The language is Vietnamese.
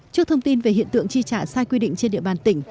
trước thông tin về hiện tượng chi trả sai quy định trên địa bàn tỉnh